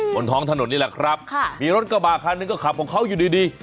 บนท้องถนนนี่แหละครับค่ะมีรถกระบะคันหนึ่งก็ขับของเขาอยู่ดีดี